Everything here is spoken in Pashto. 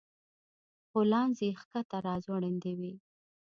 غولانځې يې ښکته راځوړندې وې